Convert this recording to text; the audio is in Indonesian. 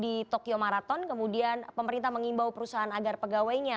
di tokyo maraton kemudian pemerintah mengimbau perusahaan agar pegawainya